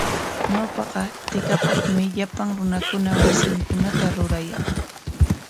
Ñawpaqa tikapikmi llapan runakuna wasinkunata rurayaq.